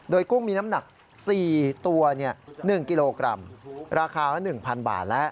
โดยกุ้งมีน้ำหนัก๔ตัว๑กิโลกรัมราคาละ๑๐๐บาทแล้ว